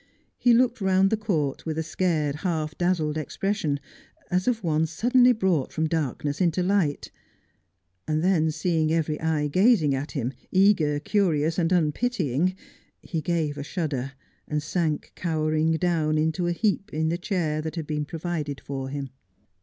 He looked round the court with a scared, half dazzled expression, as of one suddenly brought from darkness into light ; and then, seeing every eye gazing at him, eager, curious, and unpitying, he gave a shudder, and sank cowering down in a heap in the chair that had been provided for him.